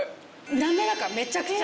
滑らかめちゃくちゃ。